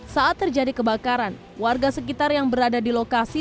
saat terjadi kebakaran warga sekitar yang berada di lokasi